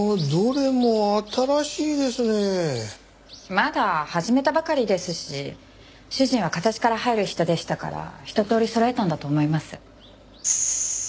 まだ始めたばかりですし主人は形から入る人でしたからひととおりそろえたんだと思います。